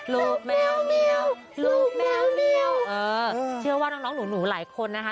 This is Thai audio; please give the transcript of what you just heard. ลูกแมวเมียวลูกแมวเมียวเออเชื่อว่าน้องน้องหนูหลายคนนะคะ